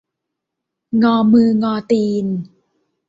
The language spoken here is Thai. งอมืองอตีน